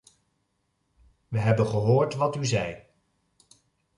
Wij hebben gehoord wat u zei.